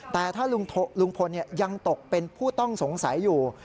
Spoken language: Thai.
แต่ถ้าลุงพลยังตกเป็นผู้ต้องสงสัยอยู่